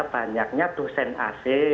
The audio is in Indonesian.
banyaknya dosen asing